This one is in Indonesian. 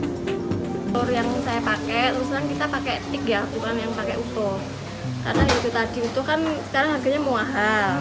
telur yang saya pakai terus sekarang kita pakai tik ya bukan yang pakai utuh